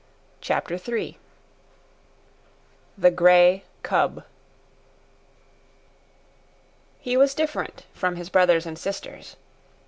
CHAPTER III THE GREY CUB He was different from his brothers and sisters.